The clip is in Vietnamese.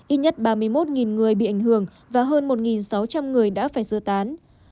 ít nhất ba mươi một người bị ảnh hưởng và hơn một sáu trăm linh người đã phải dơ tán